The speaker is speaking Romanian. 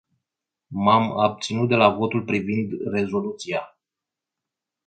M-am abținut de la votul privind rezoluția.